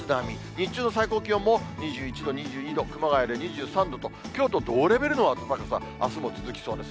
日中の最高気温も、２１度、２２度、熊谷で２３度と、きょうと同レベルの暖かさ、あすも続きそうです。